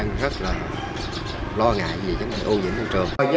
nhất là khu thị trạng long hữu tông